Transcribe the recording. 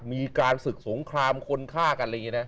มีการศึกสงครามคนฆ่ากันอะไรอย่างนี้นะ